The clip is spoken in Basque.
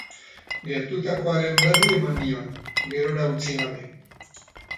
Gertatuaren berri eman nion, gerora utzi gabe.